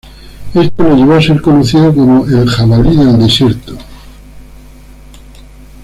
Esto le llevó a ser conocido como "el Jabalí del desierto".